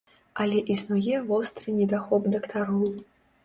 Але існуе востры недахоп дактароў.